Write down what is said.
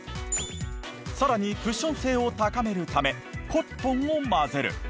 更にクッション性を高めるためコットンも混ぜる。